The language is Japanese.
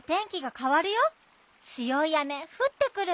つよい雨ふってくる。